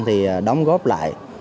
thì đóng góp lại